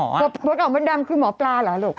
ขอบคุณค่ะหมอเป็นดำคือหมอปลาหรอ